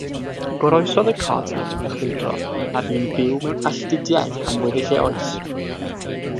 Goroesodd y Cardinal y chwyldro a bu'n byw mewn alltudiaeth am weddill ei oes.